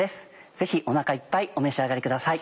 ぜひおなかいっぱいお召し上がりください。